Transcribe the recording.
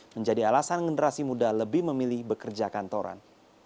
menjadi alasan generasi muda lebih memilih bekerja kantoran